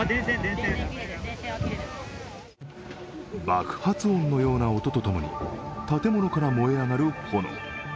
爆発音のような音とともに建物から燃え上がる炎。